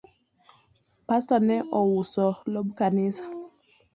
Pastor ne ouso lob kanisa